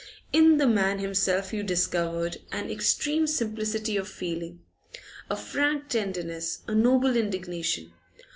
In the man himself you discovered an extreme simplicity of feeling, a frank tenderness, a noble indignation.